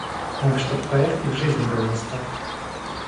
Надо, чтоб поэт и в жизни был мастак.